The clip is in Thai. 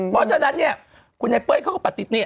เพราะฉะนั้นเนี่ยคุณไอเป้ยเขาก็ปฏินี่